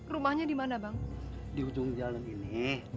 rumahnya dimana bang di ujung jalan ini